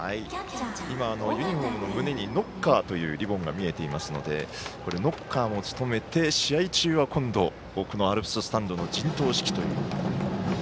今、ユニフォームの胸にノッカーというリボンが見えますので試合中は今度、アルプススタンドの陣頭指揮という。